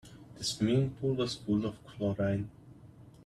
The swimming pool was full of chlorine.